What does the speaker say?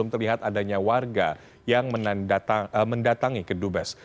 terlihat adanya warga yang mendatangi kedubes